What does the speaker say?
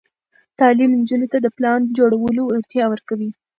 تعلیم نجونو ته د پلان جوړولو وړتیا ورکوي.